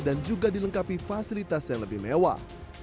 dan juga dilengkapi fasilitas yang lebih mewah